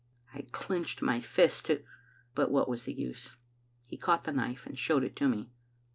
* I clinched my fist to But what was the use? He caught the knife, and showed it to me.